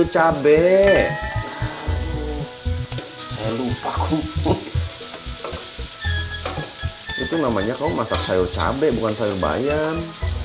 sayur cabai saya lupa kum itu namanya kau masak sayur cabai bukan sayur bayam